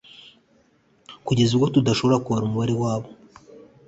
kugeza ubwo tudashobora kubara umubare wabo,